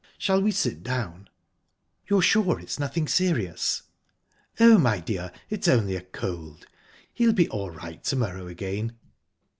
Shall we sit down?" "You're sure it's nothing serious?" "Oh, my dear!...It's only a cold. He'll be all right to morrow again."